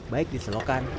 baik di selokan